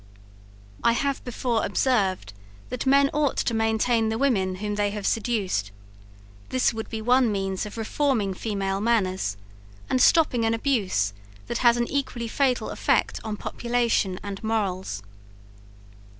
I have before observed, that men ought to maintain the women whom they have seduced; this would be one means of reforming female manners, and stopping an abuse that has an equally fatal effect on population and morals.